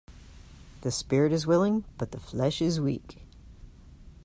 The spirit is willing but the flesh is weak.